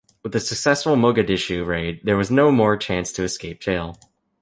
With the successful Mogadishu raid there was no more chance to escape jail.